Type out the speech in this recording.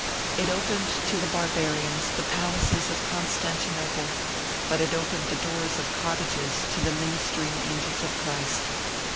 It opened to the barbarians the palaces of Constantinople, but it opened the doors of cottages to the ministering angels of Christ.